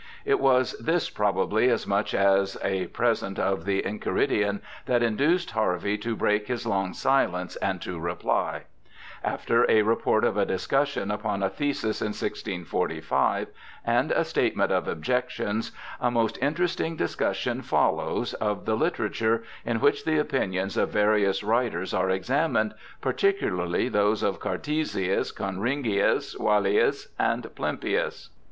It was this probably as much as a present of the Enchei ridion that induced Ilarvey to break his long silence and to reply. After a report of a discussion upon a thesis in 1645 and a statement of objections, a most interesting discussion follows of the literature, in which the opinions of various writers are examined, particu ^ Title page of English edition of the Letter. HARVEY 327 larly those of Cartesius, Conringius, Walaeus, and Plempius.